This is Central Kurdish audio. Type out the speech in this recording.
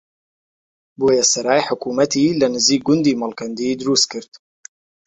بۆیە سەرای حکومەتی لە نزیک گوندی مەڵکەندی دروستکرد